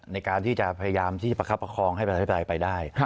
ในการที่จะพยายามที่จะประคับประคองอีกไว้ไปได้